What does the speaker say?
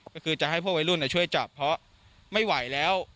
ก็คือจะให้พวกวัยรุ่นช่วยจับเพราะไม่ไหวแล้ว